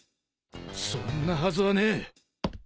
そんなはずはねえ俺は！